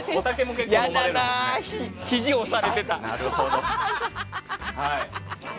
嫌だな、ひじ押されてた。